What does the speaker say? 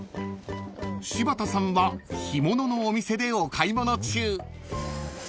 ［柴田さんは干物のお店でお買い物中］